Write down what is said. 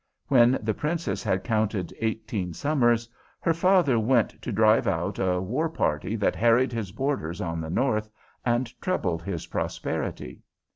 When the Princess had counted eighteen summers, her father went to drive out a war party that harried his borders on the north and troubled his prosperity.